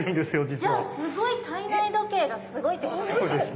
じゃあすごい体内時計がすごいってことですね。